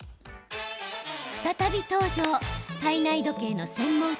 再び登場、体内時計の専門家